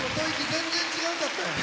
全然違うかったやん。